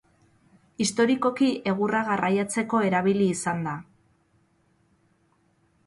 Historikoki egurra garraiatzeko erabili izan da.